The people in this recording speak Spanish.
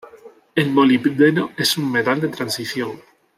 El molibdeno es un metal de transición.